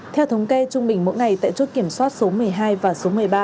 theo thống kê trung bình mỗi ngày tại chốt kiểm soát số một mươi hai và số một mươi ba